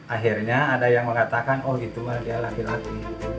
akhirnya ada yang mengatakan oh itu dia laki laki